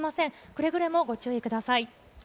くれぐれもご注意ください。